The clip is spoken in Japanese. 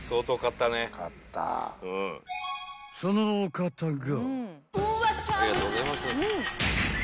［そのお方が］